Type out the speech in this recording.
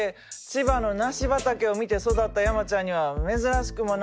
千葉の梨畑を見て育った山ちゃんには珍しくも何ともないやろ。